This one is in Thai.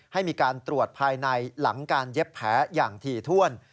ให้มีการตรวจภายในหลังการเย็บแผลอย่างถี่ถ้วน